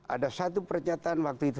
ada satu pernyataan waktu itu